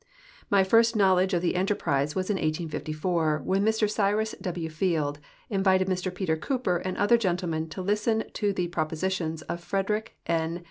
" My first knowledge of the enterprise was in 1854, when Mr Cyrus \V. Field invited Mr Peter Cooper and other gentlemen to listen to the jiropo.sitions of P'rederick N.